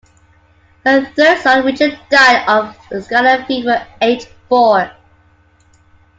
Her third son Richard died of scarlet fever aged four.